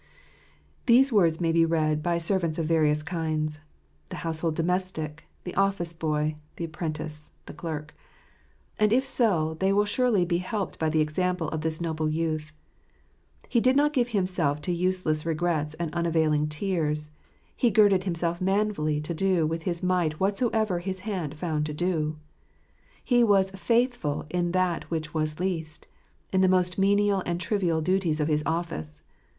These words may be read by servants of various kinds — the household domestic, the office boy, the apprentice, the clerk. And if so, they will surely be helped by the example of this noble youth. He did not give himself to useless regrets and unavailing tears. He girded himself manfully to do with his might whatsoever his hand found to do. He was " faithful in that which was least," in the most menial and trivial duties of his office.